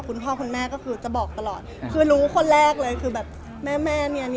คุณพ่อคุณแม่จะบอกตลอดรู้ว่าคนแรกเลยคือแม่เนี่ย